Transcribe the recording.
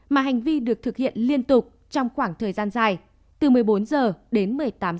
mà hành vi được thực hiện liên tục trong khoảng thời gian dài từ một mươi bốn h đến một mươi tám h